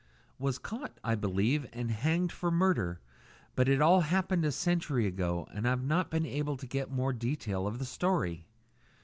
"Was caught, I believe, and hanged for murder; but it all happened a century ago, and I've not been able to get more details of the story."